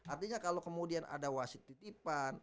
artinya kalau kemudian ada wasit titipan